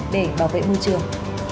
để bảo vệ môi trường